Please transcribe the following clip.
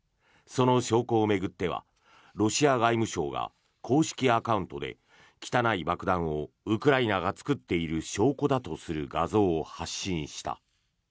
その証拠を巡ってはロシア外務省が公式アカウントで汚い爆弾をウクライナが作っている証拠だとする画像を発信した。